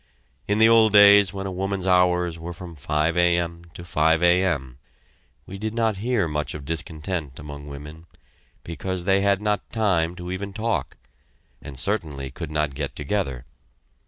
In the old days when a woman's hours were from 5 A.M. to 5 A.M., we did not hear much of discontent among women, because they had not time to even talk, and certainly could not get together.